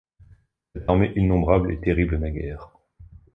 Cette armée innombrable et terrible naguère